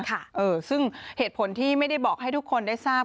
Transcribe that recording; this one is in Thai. ค่ะเออซึ่งเหตุผลที่ไม่ได้บอกให้ทุกคนได้ทราบ